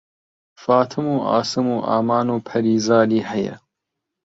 فاتم و عاسم و ئامان و پەریزادی هەیە